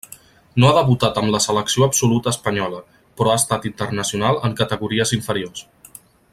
No ha debutat amb la selecció absoluta espanyola, però ha estat internacional en categories inferiors.